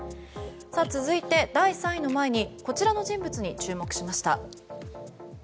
続いて、第３位の前にこちらの人物に注目しました。